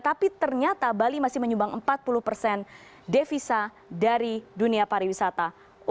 tapi ternyata bali masih menyumbang empat puluh persen devisa dari dunia pariwisata